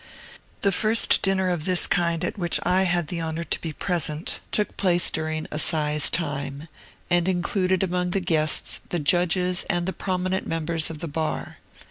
The first dinner of this kind at which I had the honor to be present took place during assize time, and included among the guests the judges and the prominent members of the bar.